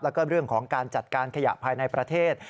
แล้วก็เรื่องของการจัดการขยะภายในประเทศ